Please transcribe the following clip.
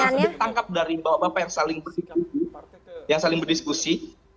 yang ditangkap dari bapak bapak yang saling berdiskusi